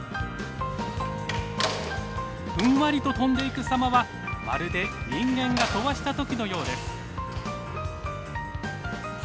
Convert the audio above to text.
ふんわりと飛んでいく様はまるで人間が飛ばした時のようです。